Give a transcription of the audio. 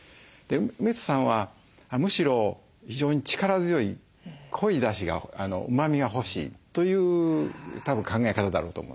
梅津さんはむしろ非常に力強い濃いだしがうまみが欲しいというたぶん考え方だろうと思うんです。